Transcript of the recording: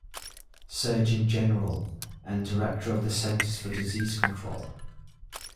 Surgeon General and director of the Centers for Disease Control.